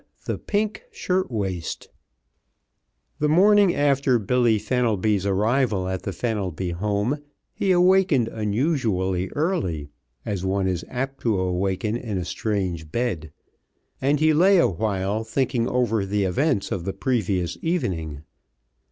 V THE PINK SHIRT WAIST The morning after Billy Fenelby's arrival at the Fenelby home he awakened unusually early, as one is apt to awaken in a strange bed, and he lay awhile thinking over the events of the previous evening.